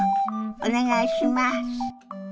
お願いします！